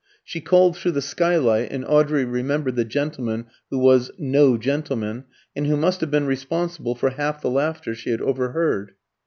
She called through the skylight, and Audrey remembered the gentleman who was "no gentleman," and who must have been responsible for half the laughter she had overheard.